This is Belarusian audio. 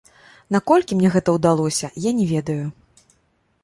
Наколькі мне гэта ўдалося, я не ведаю.